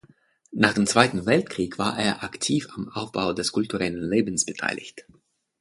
Nach dem Zweiten Weltkrieg war er aktiv am Aufbau des kulturellen Lebens beteiligt.